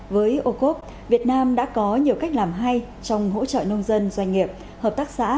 với ô cốp việt nam đã có nhiều cách làm hay trong hỗ trợ nông dân doanh nghiệp hợp tác xã